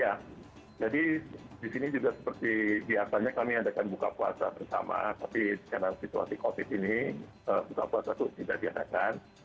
ya jadi di sini juga seperti biasanya kami adakan buka puasa bersama tapi karena situasi covid ini buka puasa itu tidak diadakan